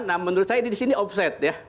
nah menurut saya ini di sini offset